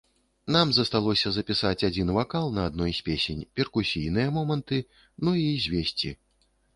Нам засталося запісаць адзін вакал на адной з песень, перкусійныя моманты, ну і звесці.